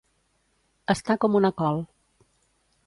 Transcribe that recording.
Estar com una col.